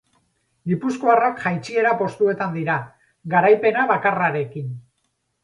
Gipuzkoarrak jaitsiera postuetan dira, garaipena bakarrarekin.